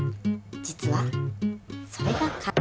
実はそれが。